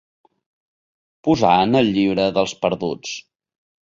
Posar en el llibre dels perduts.